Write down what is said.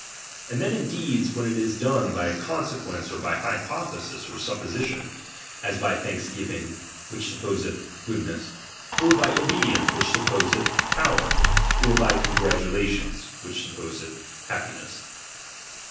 And then in deeds, when it is done by consequence or by hypothesis or supposi tion ; as by thanksgiving, which supposeth good fie^ss ; or by obedience, which supposeth poioer ; Of by congratulation, which supposeth happiness.